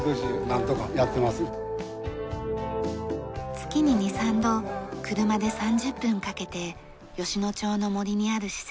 月に２３度車で３０分かけて吉野町の森にある施設に通います。